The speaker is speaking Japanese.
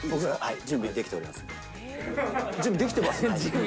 準備できてます？